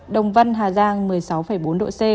đồng văn hà giang một mươi sáu bốn độ c